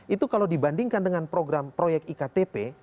itu kalau dibandingkan dengan program proyek iktp